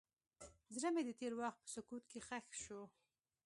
زړه مې د تېر وخت په سکوت کې ښخ شو.